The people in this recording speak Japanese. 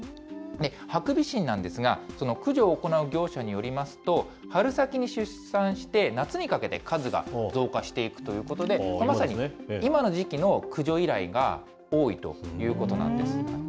ハクビシンなんですが、駆除を行う業者によりますと、春先に出産して、夏にかけて数が増加していくということで、まさに今の時期の駆除依頼が多いということなんです。